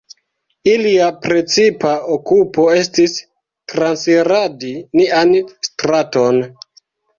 Ilia precipa okupo estis transiradi nian straton.